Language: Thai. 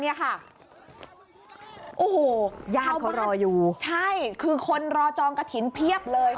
ยาคตรออยู่ใช่คือคนรอจองกระถิ่นเพียบ